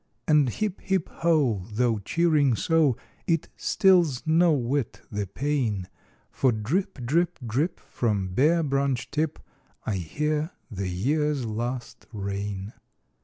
And hip, hip, ho! though cheering so, It stills no whit the pain; For drip, drip, drip, from bare branch tip, I hear the year's last rain.